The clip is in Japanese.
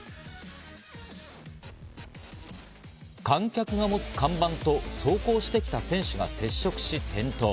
観客が持つ看板と走行してきた選手が接触し転倒。